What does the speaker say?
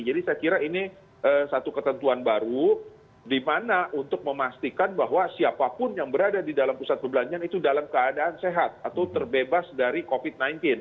jadi saya kira ini satu ketentuan baru di mana untuk memastikan bahwa siapapun yang berada di dalam pusat belanjaan itu dalam keadaan sehat atau terbebas dari covid sembilan belas